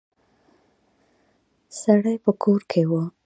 سړی په کور کې و.